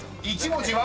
［１文字は？